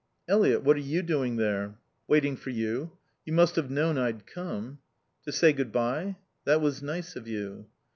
"Eliot, what are you doing there?" "Waiting for you. You must have known I'd come." "To say good bye? That was nice of you."